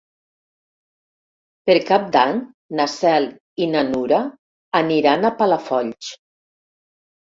Per Cap d'Any na Cel i na Nura aniran a Palafolls.